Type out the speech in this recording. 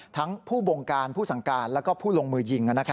ทั้งผู้บงการผู้สั่งการแล้วก็ผู้ลงมือยิง